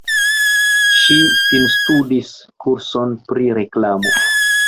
Ŝi finstudis kurson pri reklamo.